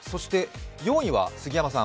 ４位は杉山さん。